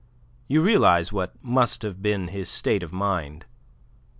You realize what must have been his state of mind.